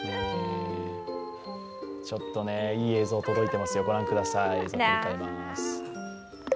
ちょっとね、いい映像届いていますよ、ご覧ください。